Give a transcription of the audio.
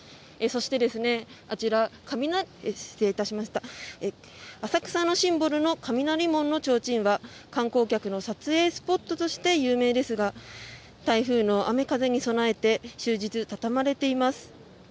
そして、浅草のシンボルの雷門のちょうちんは観光客の撮影スポットとして有名ですが台風の雨風に備えて終日畳まれています。